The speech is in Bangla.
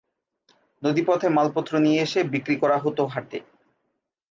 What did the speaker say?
নদীপথে মালপত্র নিয়ে এসে বিক্রি করা হত হাটে।